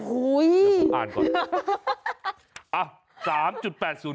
หูยยยย้ยยอ่านก่อน